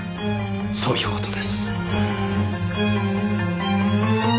そういう事です。